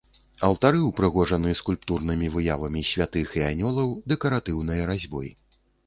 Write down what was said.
Алтары ўпрыгожаны скульптурнымі выявамі святых і анёлаў, дэкаратыўнай разьбой.